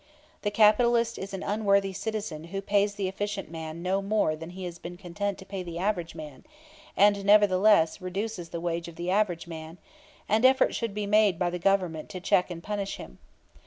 The capitalist is an unworthy citizen who pays the efficient man no more than he has been content to pay the average man, and nevertheless reduces the wage of the average man; and effort should be made by the Government to check and punish him.